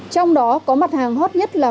trong đó có mặt hàng hot nhất là